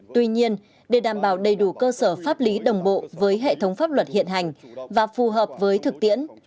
tuy nhiên để đảm bảo đầy đủ cơ sở pháp lý đồng bộ với hệ thống pháp luật hiện hành và phù hợp với thực tiễn